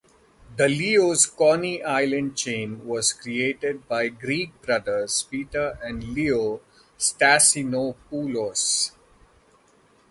The Leo's Coney Island chain was created by Greek brothers Peter and Leo Stassinopoulos.